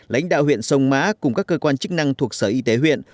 lãnh đạo huyện sông mã cùng các cơ quan chức năng thuộc sở y tế huyện